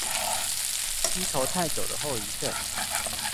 低頭太久的後遺症